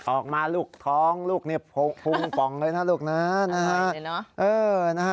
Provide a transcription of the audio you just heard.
ออกมาลูกท้องลูกนี่พุงป่องเลยนะลูกนะนะฮะ